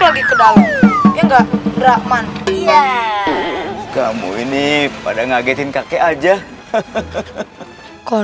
lagi ke dalam ya enggak rahman iya kamu ini pada ngagetin kakek aja hehehe kau